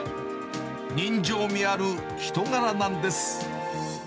人情味ある人柄なんです。